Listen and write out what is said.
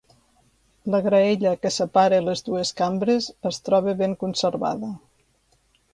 La graella que separa les dues cambres es troba ben conservada.